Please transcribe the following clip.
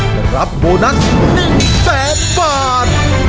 และรับโบนัส๑๐๐บาท